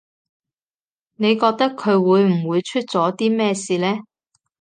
你覺得佢會唔會出咗啲咩事呢